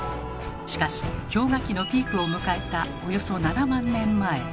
しかし氷河期のピークを迎えたおよそ７万年前。